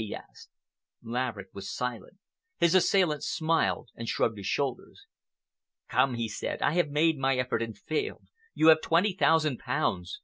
he asked. Laverick was silent. His assailant smiled and shrugged his shoulders. "Come," he said, "I have made my effort and failed. You have twenty thousand pounds.